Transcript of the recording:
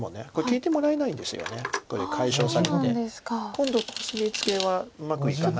今度コスミツケはうまくいかないので。